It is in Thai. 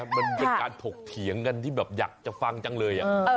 มันเป็นการถกเถียงกันที่แบบอยากจะฟังจังเลย